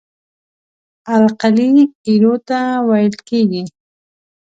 القلي ایرو ته ویل کیږي.